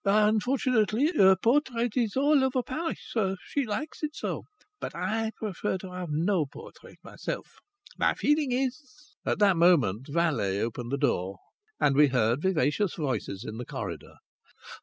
"Unfortunately her portrait is all over Paris. She likes it so. But I prefer to have no portrait myself. My feeling is " At that moment the valet opened the door and we heard vivacious voices in the corridor.